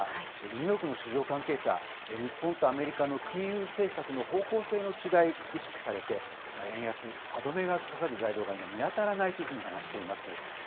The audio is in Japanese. ニューヨークの市場関係者、日本とアメリカの金融政策の方向性の違いを意識されて、円安、歯止めがかかる材料が今、見当たらないというふうに話しています。